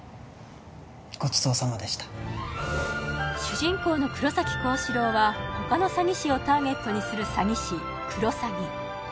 ごちそうさまでした主人公の黒崎高志郎は他の詐欺師をターゲットにする詐欺師クロサギ